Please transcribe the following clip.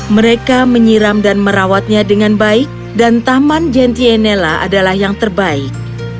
mereka menyiram dan merawatnya dengan baik dan taman jentienela adalah yang terbaik